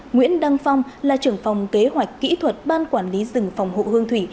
nguyễn đăng phong là trưởng phòng kế hoạch kỹ thuật ban quản lý rừng phòng hộ hương thủy